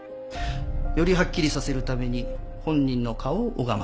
よりはっきりさせるために本人の顔を拝ませたい。